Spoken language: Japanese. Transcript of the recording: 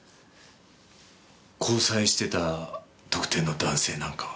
交際してた特定の男性なんかは？